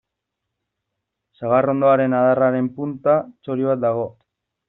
Sagarrondoaren adarraren punta txori bat dago.